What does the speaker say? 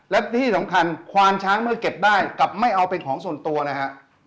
และที่สำคัญควานช้างเมื่อเก็บได้กลับไม่เอาเป็นของส่วนตัวนะฮะ